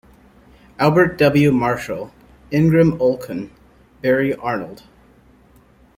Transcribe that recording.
Albert W. Marshall, Ingram Olkin, Barry Arnold.